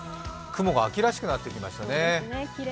雲が秋らしくなってきましたね。